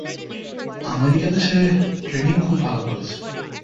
আমেরিকাতে সে ট্রেনিং খুব ভালো করেছে।